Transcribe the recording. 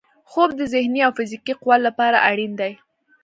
خوب د ذهني او فزیکي قوت لپاره اړین دی